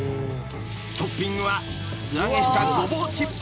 ［トッピングは素揚げした］